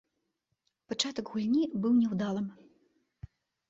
Пачатак гульні быў няўдалым.